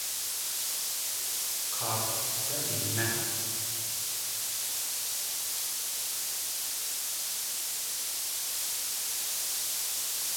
K̲áakwt tsá iné!